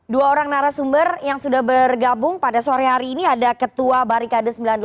dua orang narasumber yang sudah bergabung pada sore hari ini ada ketua barikade sembilan puluh delapan